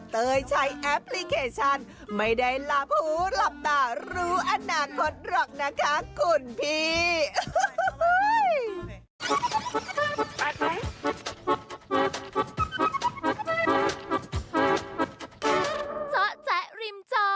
เตยใช้แอปพลิเคชันไม่ได้ลาหูหลับตารู้อนาคตหรอกนะคะคุณพี่